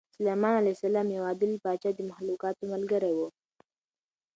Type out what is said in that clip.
سلیمان علیه السلام یو عادل پاچا او د مخلوقاتو ملګری و.